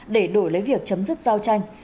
để đổi lấy việc chấm dứt giao tranh